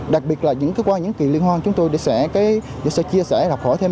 đặc biệt là qua những kỳ liên hoan chúng tôi sẽ chia sẻ học hỏi thêm